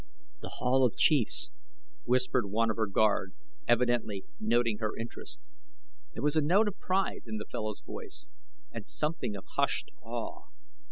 "The Hall of Chiefs," whispered one of her guard, evidently noting her interest. There was a note of pride in the fellow's voice and something of hushed awe.